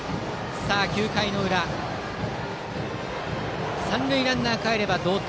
さあ９回の裏三塁ランナーかえれば同点。